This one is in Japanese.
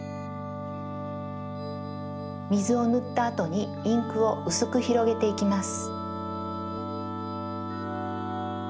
みずをぬったあとにインクをうすくひろげていきます。